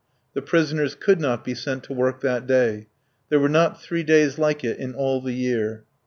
The prisoners could not be sent to work that day. There were not three days like it in all the year.